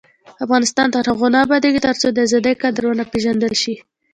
افغانستان تر هغو نه ابادیږي، ترڅو د ازادۍ قدر ونه پیژندل شي.